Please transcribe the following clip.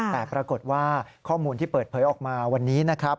แต่ปรากฏว่าข้อมูลที่เปิดเผยออกมาวันนี้นะครับ